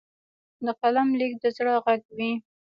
د قلم لیک د زړه غږ وي.